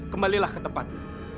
kembalilah ke tempatmu